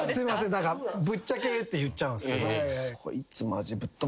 何かぶっちゃけて言っちゃうんすけど。